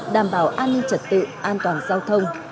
đảm bảo an ninh trật tự an toàn giao thông